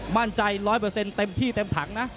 มั่นใจร้อยเปอร์เซ็นต์เต็มที่เต็มถังนะ